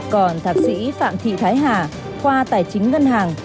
còn thạc sĩ phạm thị thái hà khoa tài chính ngân hàng